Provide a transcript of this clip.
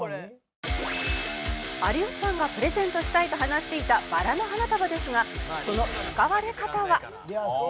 「有吉さんが“プレゼントしたい”と話していたバラの花束ですがその使われ方は」